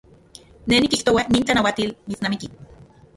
Ne nikijtoa nin tlanauatil mitsnamiki.